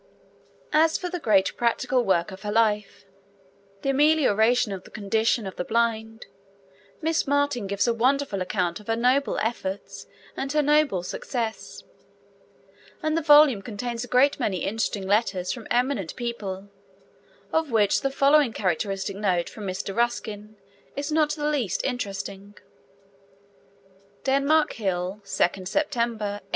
As for the great practical work of her life, the amelioration of the condition of the blind, Miss Martin gives a wonderful account of her noble efforts and her noble success; and the volume contains a great many interesting letters from eminent people, of which the following characteristic note from Mr. Ruskin is not the least interesting: DENMARK HILL, 2nd September 1871.